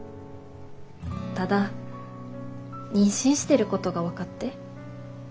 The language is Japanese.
ただ妊娠してることが分かって。